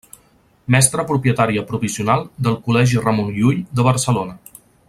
Mestra propietària provisional del Col·legi Ramon Llull de Barcelona.